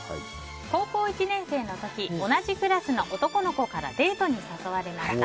高校１年生の時同じクラスの男の子からデートに誘われました。